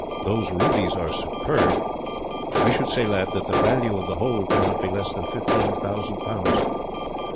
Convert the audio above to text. Those rubies are superb. I should say, lad, that the value of the whole cannot be less than fifteen thousand pounds.